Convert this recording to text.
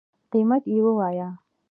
قیمت یی ووایه